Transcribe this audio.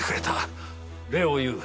礼を言う。